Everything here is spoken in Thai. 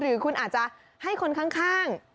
หรือคุณอาจจะให้คนข้าง